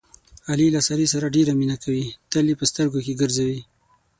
علي له سارې سره ډېره مینه کوي، تل یې په سترګو کې ګرځوي.